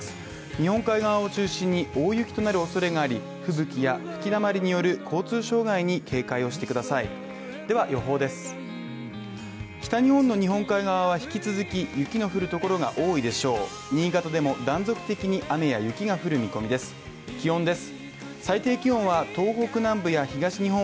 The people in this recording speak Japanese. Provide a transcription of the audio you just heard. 日本海側を中心に大雪となるおそれがあり、吹雪や吹きだまりによる交通障害に警戒をしてくださいでは予報です。